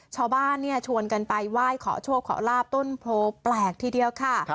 ชาวบ้านเนี่ยชวนกันไปไหว้ขอโชคขอลาบต้นโพแปลกทีเดียวค่ะ